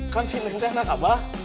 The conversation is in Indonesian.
kan sih neng teh neng abah